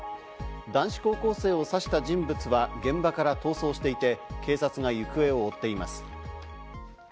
男子高校生を刺した人物は現場から逃走していて、警察が行方を追っています。